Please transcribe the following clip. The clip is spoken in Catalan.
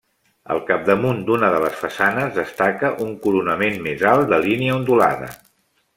Al capdamunt d'una de les façanes destaca un coronament més alt, de línia ondulada.